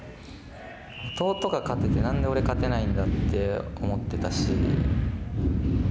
弟が勝てて何で俺勝てないんだって思ってたし。